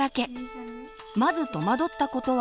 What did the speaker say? まず戸惑ったことは。